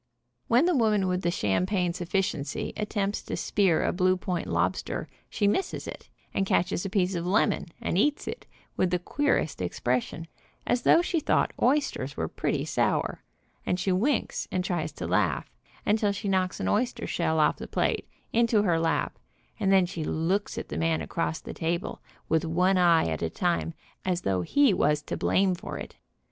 When the woman with the champagne sufficiency attempts to spear a blue point oyster, she misses it, and catches a piece of lemon, and eats it with the queerest expres sion, as though she thought oysters were pretty sour, arid she winks, and tries to laugh, until she knocks an oyster shell off the plate, into her lap, and then she looks at the man across the table, with one eye at a time, as though he was to blame for it.